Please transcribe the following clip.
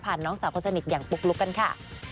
น้องสาวคนสนิทอย่างปุ๊กลุ๊กกันค่ะ